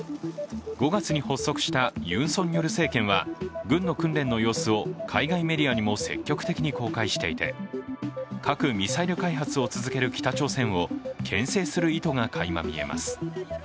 ５月に発足したユン・ソンニョル政権は、軍の訓練の様子を海外メディアにも積極的に公開していて、核・ミサイル開発を続ける北朝鮮をけん制する意図がかいま見えます。